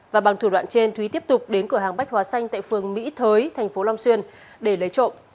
và bằng thủ đoạn trên thúy tiếp tục đến cửa hàng bách hóa xanh tại phường mỹ thới tp long xuyên để lấy trộm